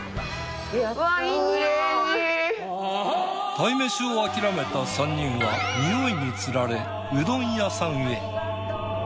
鯛めしを諦めた３人は匂いにつられうどん屋さんへ。